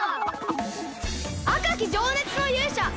あかきじょうねつのゆうしゃ！